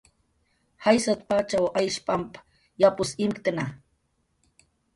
"Jaysat"" pachaw Aysh pamp yapus imktna"